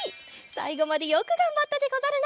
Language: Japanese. さいごまでよくがんばったでござるな。